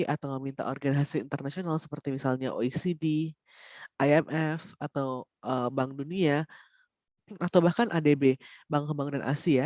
atau meminta organisasi internasional seperti misalnya oecd imf atau bank dunia atau bahkan adb bank dan asia